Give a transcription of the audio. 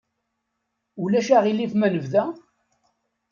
Ulac aɣilif ma nebda?